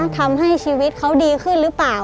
ทำให้ชีวิตเขาดีขึ้นหรือเปล่า